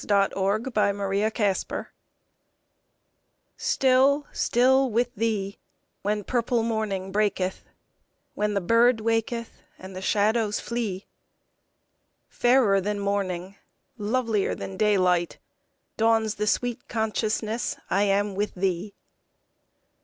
Y Z Still, Still with Thee STILL, still with Thee, when purple morning breaketh, When the bird waketh and the shadows flee; Fairer than morning, lovilier than daylight, Dawns the sweet consciousness I am with Thee.